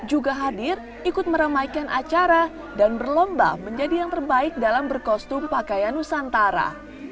juga hadir ikut meramaikan acara dan berlomba menjadi yang terbaik dalam berkostum pakaian nusantara